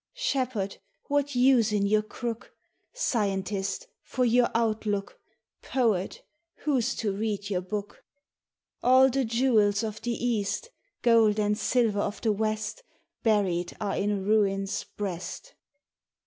Shepherd, what use in your crook ? Scientist, for your outlook ? Poet, who's to read your book ? All the jewels of the east, Gold and silver of the west, Buried are in ruin's breast.